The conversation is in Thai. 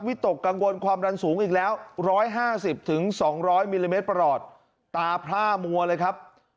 ตกกังวลความดันสูงอีกแล้ว๑๕๐๒๐๐มิลลิเมตรประหลอดตาพร่ามัวเลยครับ